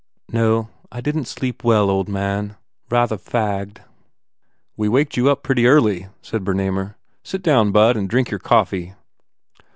"No, I didn t sleep well, old man. Rather fagged." "We waked you up pretty early," said Berna mer, "Sit down, bud, and drink your coffee."